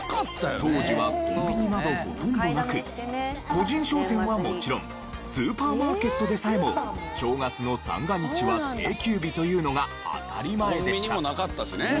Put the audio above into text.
当時はコンビニなどほとんどなく個人商店はもちろんスーパーマーケットでさえも正月の三が日は定休日というのが当たり前でした。